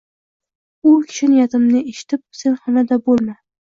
U kishi niyatimni eshitib, “Sen xonanda bo’lma.